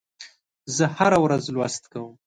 زه هره ورځ لوست کوم.